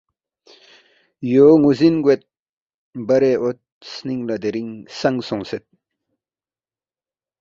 یو نوزن گوید برے اوت سنینگ لا دیرینگ سنگ سونگسید